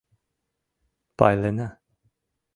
Пайлена!